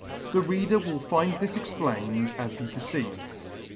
The Reader will find this explained as he proceeds.